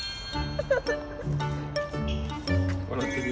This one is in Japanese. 笑ってるよ。